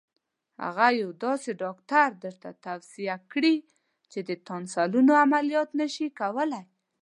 هغه یو داسې ډاکټر درته توصیه کړي چې د تانسیلونو عملیات نه شي کولای.